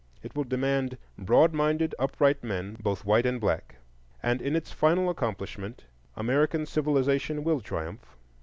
It will demand broad minded, upright men, both white and black, and in its final accomplishment American civilization will triumph.